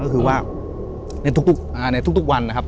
ก็คือว่าในทุกวันนะครับ